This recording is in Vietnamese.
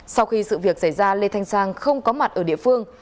sau khi sự việc xảy ra lê thanh sang không có mặt ở địa phương